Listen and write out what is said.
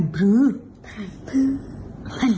พรรด